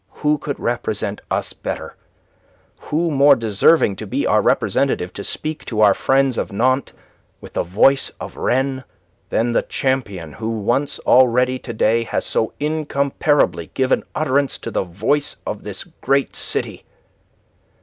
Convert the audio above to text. Who could represent us better, who more deserving to be our representative, to speak to our friends of Nantes with the voice of Rennes, than the champion who once already to day has so incomparably given utterance to the voice of this great city?